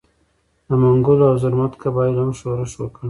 د منګلو او زرمت قبایلو هم ښورښ وکړ.